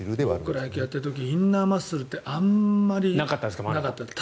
野球やってる時インナーマッスルってあんまりなかった。